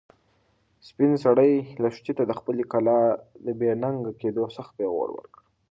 سپین سرې لښتې ته د خپلې کلا د بې ننګه کېدو سخت پېغور ورکړ.